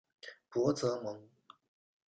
博泽蒙。